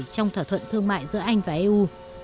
trong thỏa thuận thương mại giữa hai bên